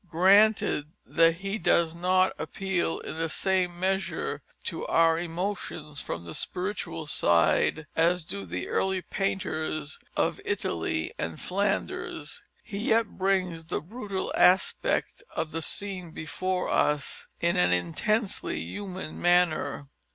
Granted that he does not appeal in the same measure to our emotions from the spiritual side as do the early painters of Italy and Flanders, he yet brings the brutal aspect of the scene before us in an intensely human manner.